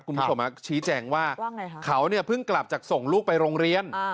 คุณผู้ชมชี้แจงว่าเขาเนี่ยเพิ่งกลับจากส่งลูกไปโรงเรียน